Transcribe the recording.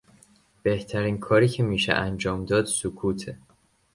بهترین کاری که میشه انجام داد سکوته